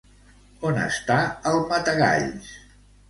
On està el Matagalls?